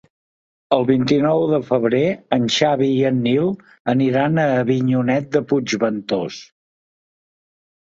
El vint-i-nou de febrer en Xavi i en Nil aniran a Avinyonet de Puigventós.